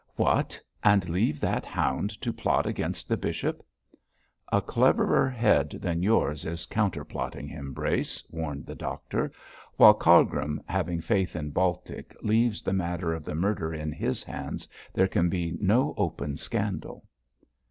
'What! and leave that hound to plot against the bishop?' 'A cleverer head than yours is counter plotting him, Brace,' warned the doctor. 'While Cargrim, having faith in Baltic, leaves the matter of the murder in his hands, there can be no open scandal.'